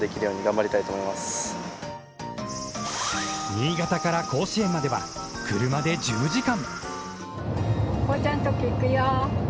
新潟から甲子園までは、車で１０時間。